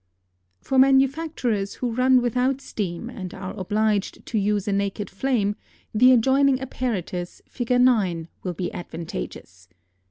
For manufacturers who run without steam and are obliged to use a naked flame, the adjoining apparatus (Fig. 9) will be advantageous.